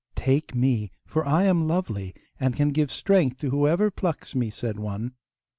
'Take me, for I am lovely, and can give strength to whoever plucks me,' said one.